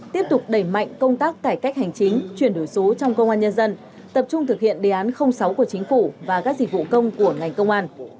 tiếp tục đẩy mạnh công tác cải cách hành chính chuyển đổi số trong công an nhân dân tập trung thực hiện đề án sáu của chính phủ và các dịch vụ công của ngành công an